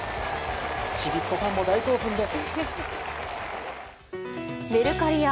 ちびっこファンも大興奮です。